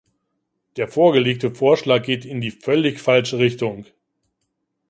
Der vorgelegte Vorschlag geht in die völlig falsche Richtung.